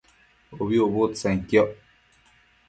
ubi ucbudtsenquioc